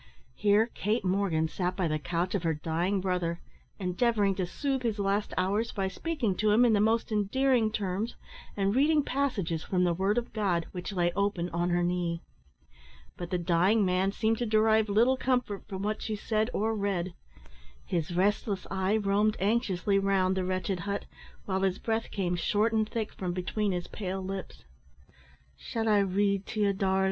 Here Kate Morgan sat by the couch of her dying brother, endeavouring to soothe his last hours by speaking to him in the most endearing terms, and reading passages from the Word of God, which lay open on her knee. But the dying man seemed to derive little comfort from what she said or read. His restless eye roamed anxiously round the wretched hut, while his breath came short and thick from between his pale lips. "Shall I read to ye, darlin'?"